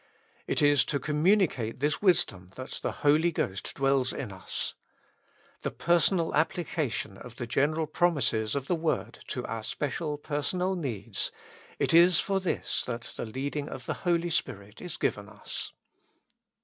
It is to communicate this wisdom that the Holy Ghost dwells in us. The personal applica tion of the general promises of the word to our special personal needs— it is for this that the leadifig of the Holy Spirit is given us.